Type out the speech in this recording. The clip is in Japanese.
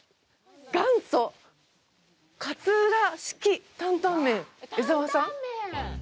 元祖勝浦式坦々麺江ざわさん。